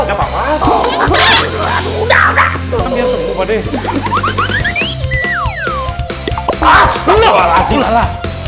hai pas lu ala ala